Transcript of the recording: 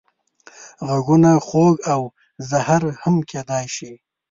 غږونه خوږ او زهر هم کېدای شي